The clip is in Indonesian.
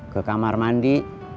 ke kamar mandi